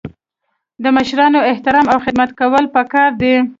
د مشرانو احترام او خدمت کول پکار دي.